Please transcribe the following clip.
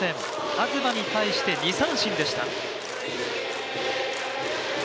東に対して２三振でした。